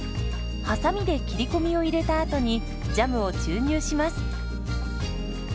はさみで切り込みを入れたあとにジャムを注入します。